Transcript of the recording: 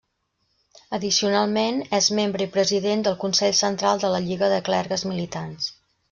Addicionalment és membre i president del Consell Central de la Lliga de Clergues militants.